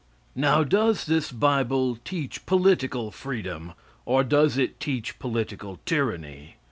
Now does this bible teach political freedom, or does it teach political tyranny?